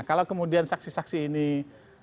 kalau kemudian saksi saksi ini semua partai ada